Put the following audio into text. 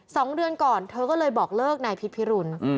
สองเดือนก่อนเธอก็เลยบอกเลิกนายพิษพิรุณ